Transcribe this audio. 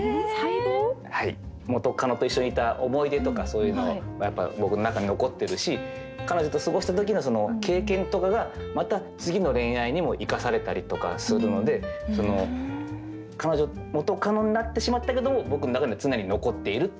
元カノと一緒にいた思い出とかそういうのやっぱ僕の中に残ってるし彼女と過ごした時の経験とかがまた次の恋愛にも生かされたりとかするので彼女元カノになってしまったけど僕の中には常に残っているという。